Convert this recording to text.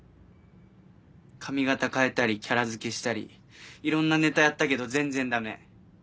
髪形変えたりキャラ付けしたりいろんなネタやったけど全然ダメ。